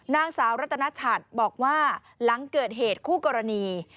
นางสาวรัตนชัดบอกว่าหลังเกิดเหตุคู่กรณี